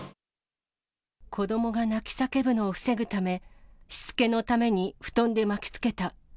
子どもが泣き叫ぶのを防ぐため、しつけのために、布団で巻きつけた。